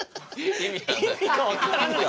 意味が分からない。